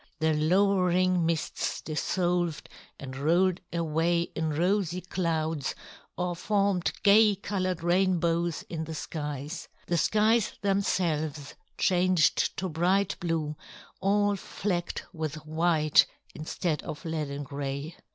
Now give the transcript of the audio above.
The lowering mists dissolved and rolled away in rosy clouds or formed gay colored rainbows in the skies; the skies themselves changed to bright blue, all flecked with white instead of leaden gray.